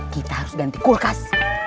kita harus ganti kulkas